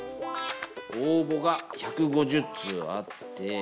応募が１５０通あって。